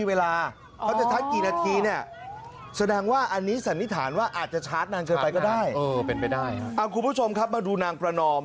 คุณผู้ชมครับมาดูนางประนอม